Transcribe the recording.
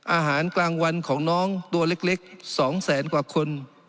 อาหารกลางวันของน้องตัวเล็ก๒แสนกว่าคน